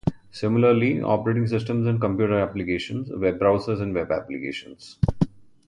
Similarly, operating systems and computer applications, web browsers and web applications.